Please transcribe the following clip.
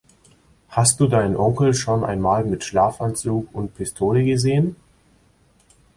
Hast du deinen Onkel schon einmal mit Schlafanzug und Pistole gesehen?